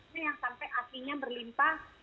sampai aksinya berlimpah